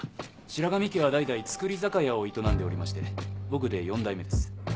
白神家は代々造り酒屋を営んでおりまして僕で４代目です。